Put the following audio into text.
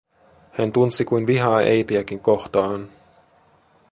Hän tunsi kuin vihaa äitiäkin kohtaan.